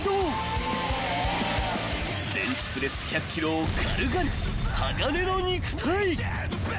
［ベンチプレス１００ｋｇを軽々鋼の肉体］